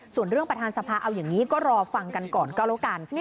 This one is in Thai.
ส่วนเรื่องประธานสภาเอาอย่างนี้ก็รอฟังกันก่อนก็แล้วกัน